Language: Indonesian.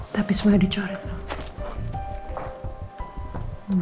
tapi semuanya dicoret mel